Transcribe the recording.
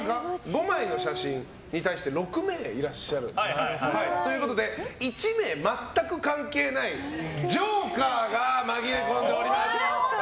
５枚の写真に対して６名いらっしゃるということで１名、全く関係ないジョーカーが紛れ込んでおります。